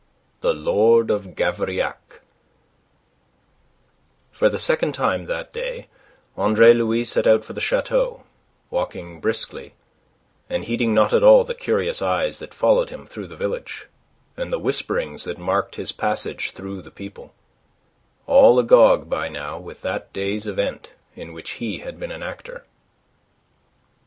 THE LORD OF GAVRILLAC For the second time that day Andre Louis set out for the chateau, walking briskly, and heeding not at all the curious eyes that followed him through the village, and the whisperings that marked his passage through the people, all agog by now with that day's event in which he had been an actor.